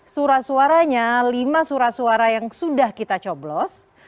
surat suaranya lima surat suara yang sudah kita coblos